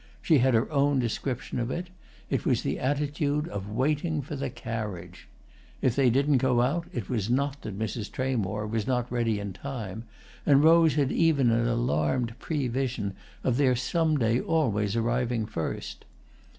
She had her own description of it: it was the attitude of waiting for the carriage. If they didn't go out it was not that Mrs. Tramore was not ready in time, and Rose had even an alarmed prevision of their some day always arriving first.